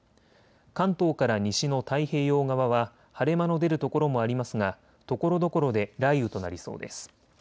関東から西の太平洋側は晴れ間の出る所もありますがところどころで雷雨となりそうです。